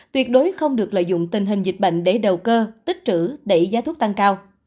tuyệt đối không được lợi dụng tình hình dịch bệnh để đầu cơ tích trữ đẩy giá thuốc tăng cao